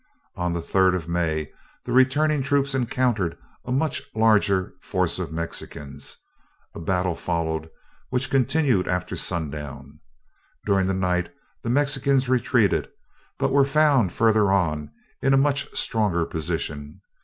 On the third of May the returning troops encountered a much larger force of Mexicans. A battle followed which continued after sundown. During the night the Mexicans retreated, but were found further on, in a much stronger position.